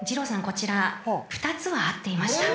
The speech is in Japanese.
こちら２つは合っていました］